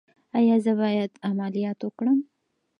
ایا زه باید عملیات وکړم؟